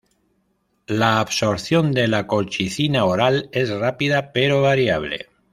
La absorción de la colchicina oral es rápida pero variable.